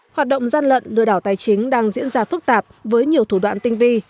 hoạt động gian lận lừa đảo tài chính đang diễn ra phức tạp với nhiều thủ đoạn tinh vi